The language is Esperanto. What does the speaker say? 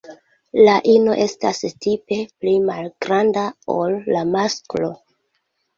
La ino estas tipe pli malgranda ol la masklo.